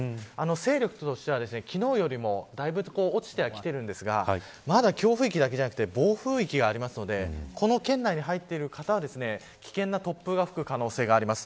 勢力としては昨日よりもだいぶ落ちてはきているんですがまだ強風域だけじゃなくて暴風域があるのでこの圏内に入っている方は危険な突風が吹く可能性があります。